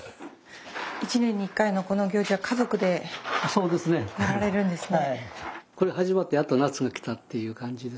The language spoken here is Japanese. １年に１回のこの行事は家族でやられるんですね。